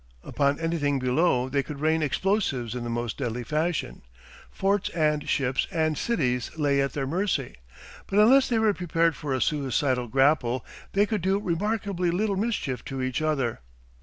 Upon anything below they could rain explosives in the most deadly fashion, forts and ships and cities lay at their mercy, but unless they were prepared for a suicidal grapple they could do remarkably little mischief to each other.